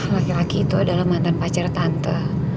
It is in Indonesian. laki laki itu adalah mantan pacar tante